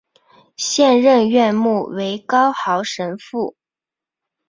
现任院牧为高豪神父。